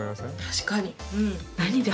確かに。